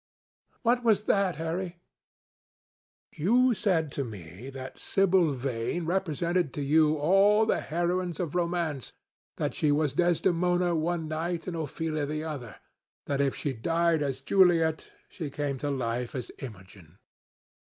"What was that, Harry?" "You said to me that Sibyl Vane represented to you all the heroines of romance—that she was Desdemona one night, and Ophelia the other; that if she died as Juliet, she came to life as Imogen."